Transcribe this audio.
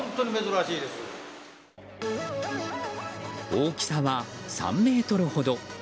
大きさは３ｍほど。